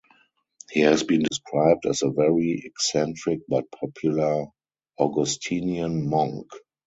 He has been described as "a very eccentric but popular Augustinian monk".